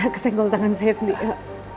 kesenggol tangan saya sendiri